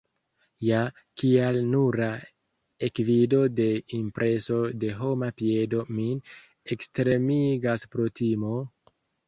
Ja, kial nura ekvido de impreso de homa piedo min ektremigas pro timo?